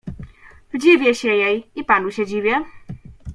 "Dziwię się jej i panu się dziwię."